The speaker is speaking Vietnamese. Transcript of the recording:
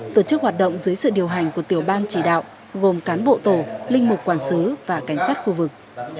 tổ chức hoạt động dưới sự điều hành của tiểu ban chỉ đạo gồm cán bộ tổ linh mục quản sứ và cảnh sát khu vực